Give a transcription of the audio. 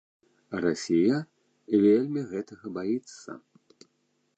Расія вельмі гэтага баіцца.